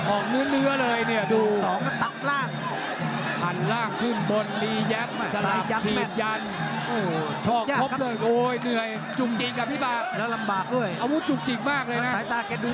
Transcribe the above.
ออกเนื้อเลยเนี่ยดู